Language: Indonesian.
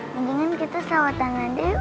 mendingan kita sawat tangan